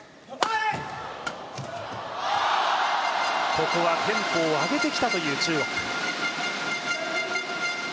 ここはテンポを上げてきた中国。